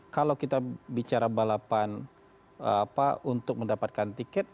kalau kita bicara balapan untuk mendapatkan tiket